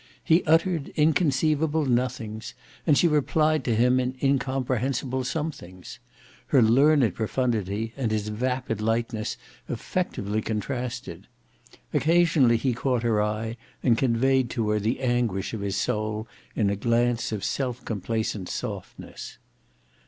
He uttered inconceivable nothings, and she replied to him in incomprehensible somethings. Her learned profundity and his vapid lightness effectively contrasted. Occasionally he caught her eye and conveyed to her the anguish of his soul in a glance of self complacent softness.